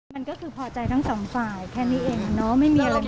มันก็คือพอใจทั้งสองฝ่ายแค่นี้เองเนาะไม่มีอะไร